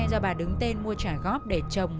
do bà đứng tên mua trả góp để chồng